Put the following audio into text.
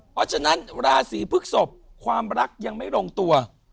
เพราะฉะนั้นราศีพฤกษพความรักยังไม่ลงตัว